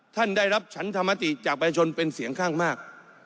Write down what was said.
ท่านได้รับฉันธรรมติจากประชาชนเป็นเสียงข้างมาก